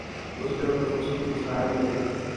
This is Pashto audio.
بزګر د فصلونو شاعر دی